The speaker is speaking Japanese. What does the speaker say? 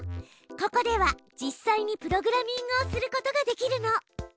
ここでは実際にプログラミングをすることができるの。